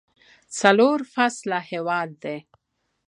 څلور فصله هیواد دی.